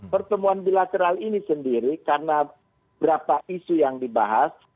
pertemuan bilateral ini sendiri karena berapa isu yang dibahas